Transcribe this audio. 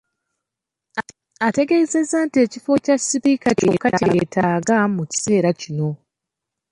Ategeezezza nti ekifo kya Sipiika kyokka kye yeetaaga mu kiseera kino.